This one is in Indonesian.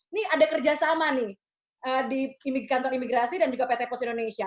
ini ada kerjasama nih di kantor imigrasi dan juga pt pos indonesia